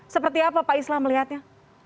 seperti apa pak islah melihatnya